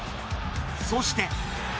そして。